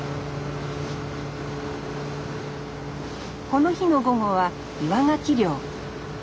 この日の午後は岩ガキ漁。